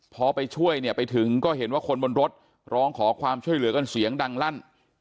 พอไปช่วยเนี่ยไปถึงก็เห็นว่าคนบนรถร้องขอความช่วยเหลือกันเสียงดังลั่น